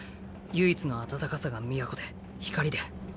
唯一の温かさが都で光で。